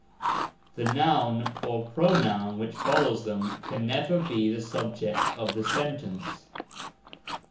The noun or pronoun which follows them can never be the subject of the sentence.